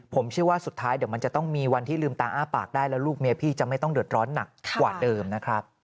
ผมเชื่อว่าสุดท้ายเดี๋ยวมันจะต้องมีวันที่ลืมตาอ้าปากได้แล้วลูกเมียพี่จะไม่ต้องเดือดร้อนหนักกว่าเดิมนะครับ